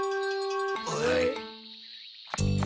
はい。